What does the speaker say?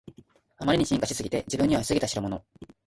あまりに進化しすぎて自分には過ぎたしろもの